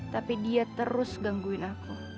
tapi dia terus gangguin aku